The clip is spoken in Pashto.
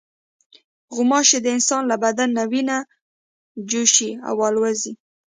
غوماشې د انسان له بدن نه وینه چوشي او الوزي.